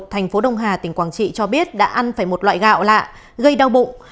tp đông hà tỉnh quảng trị cho biết đã ăn phải một loại gạo lạ gây đau bụng